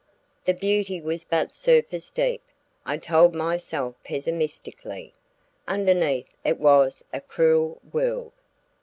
The beauty was but surface deep, I told myself pessimistically; underneath it was a cruel world.